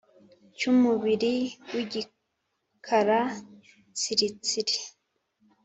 Cy'umubiri w'igikara tsiritsiri